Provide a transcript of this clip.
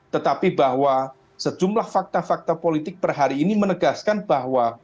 tetapi bahwa sejumlah fakta fakta politik per hari ini menegaskan bahwa